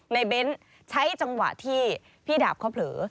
เบ้นใช้จังหวะที่พี่ดาบเขาเผลอ